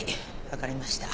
分かりました。